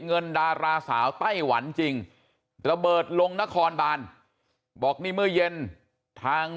ดาราสาวไต้หวันจริงระเบิดลงนครบานบอกนี่เมื่อเย็นทาง